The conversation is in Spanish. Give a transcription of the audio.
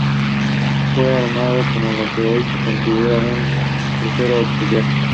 Fue armado como lo que hoy se considera un crucero auxiliar.